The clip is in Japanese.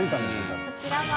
こちらが。